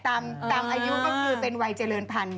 ตามอายุต้องมีวัยเจริญพันธุ์